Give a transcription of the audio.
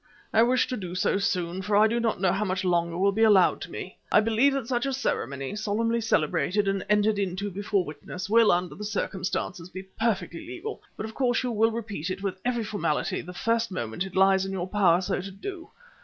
I wish to do so soon, for I do not know how much longer will be allowed to me. I believe that such a ceremony, solemnly celebrated and entered into before witnesses, will, under the circumstances, be perfectly legal; but of course you will repeat it with every formality the first moment it lies in your power so to do.